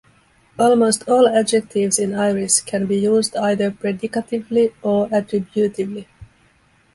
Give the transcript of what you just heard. Almost all adjectives in Irish can be used either predicatively or attributively.